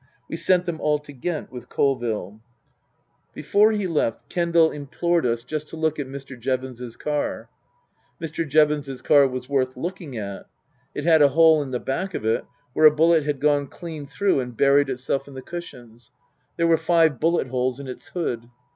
We sent them all to Ghent with Colville. 314 Tasker Jevons Before he left, Kendal implored us just to look at Mr. Jevons's car. Mr. Jevons's car was worth looking at. It had a hole in the back of it where a bullet had gone clean through and buried itself in the cushions. There were five bullet holes in its hood.